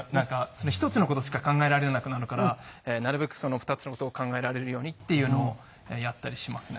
一つの事しか考えられなくなるからなるべく２つの事を考えられるようにっていうのをやったりしますね。